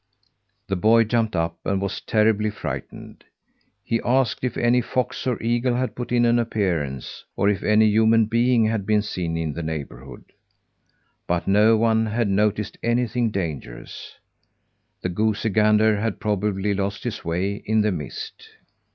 The boy jumped up, and was terribly frightened. He asked if any fox or eagle had put in an appearance, or if any human being had been seen in the neighbourhood. But no one had noticed anything dangerous. The goosey gander had probably lost his way in the mist.